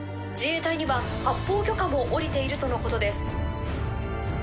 自衛隊には発砲許可も下りているとのことです。